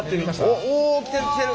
おっお来てる来てる。